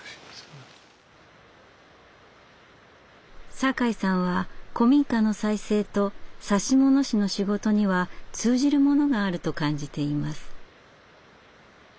酒井さんは古民家の再生と指物師の仕事には通じるものがあると感じています。